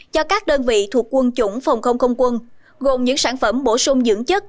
cho các đơn vị thuộc quân chủng phòng không không quân gồm những sản phẩm bổ sung dưỡng chất